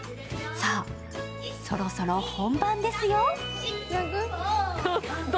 さぁ、そろそろ本番ですよ。